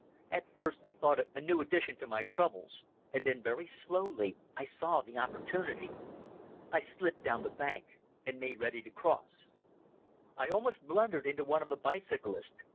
At first I thought it a new addition to my troubles, and then very slowly I saw the opportunity. I slipped down the bank and made ready to cross. I almost blundered into one of the bicyclists.